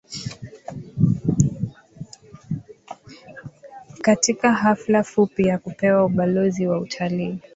katika hafla fupi ya kupewa Ubalozi wa Utalii